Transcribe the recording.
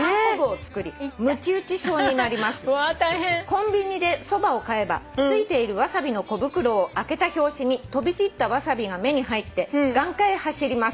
「コンビニでそばを買えばついているわさびの小袋を開けた拍子に飛び散ったわさびが目に入って眼科へ走ります」